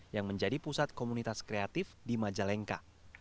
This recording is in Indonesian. yang menjadi pusat komunitas kreatif di majalengka